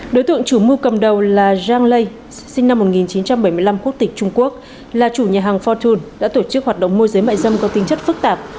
đối tượng chủ mưu cầm đầu là zhang lei sinh năm một nghìn chín trăm bảy mươi năm quốc tịch trung quốc là chủ nhà hàng fortune đã tổ chức hoạt động môi giới mại dâm có tinh chất phức tạp